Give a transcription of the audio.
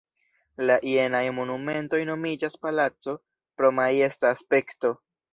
La jenaj monumentoj nomiĝas "palaco" pro majesta aspekto.